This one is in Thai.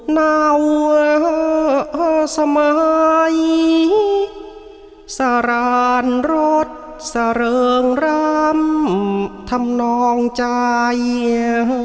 นาเวอร์สมัยสารานรถเสริงรำทำนองใจ